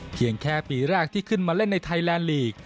เพียงแค่ปีแรกที่ขึ้นมาเล่นในไทยแลนดลีก